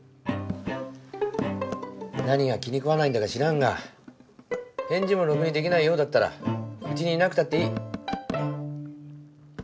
なにが気に食わないんだか知らんが返事もろくにできないようだったらうちにいなくたっていい。